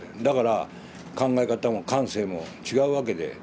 だから考え方も感性も違うわけで。